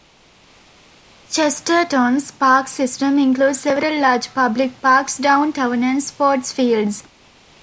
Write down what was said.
Chesterton's park system includes several large public parks downtown and sports fields.